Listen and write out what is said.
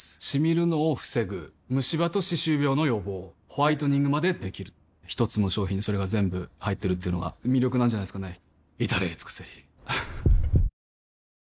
シミるのを防ぐムシ歯と歯周病の予防ホワイトニングまで出来る一つの商品にそれが全部入ってるっていうのが魅力なんじゃないですかね